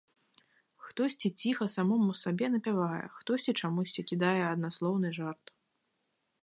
Хтосьці ціха, самому сабе, напявае, хтосьці чамусьці кідае аднаслоўны жарт.